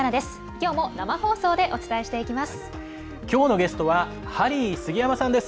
きょうも生放送でお伝えしていきます。